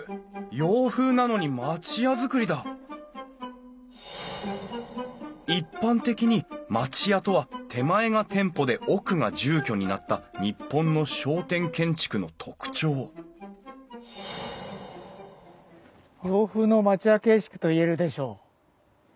洋風なのに町屋造りだ一般的に町屋とは手前が店舗で奥が住居になった日本の商店建築の特徴洋風の町屋形式といえるでしょう。